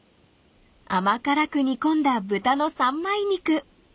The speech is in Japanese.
［甘辛く煮込んだ豚の三枚肉］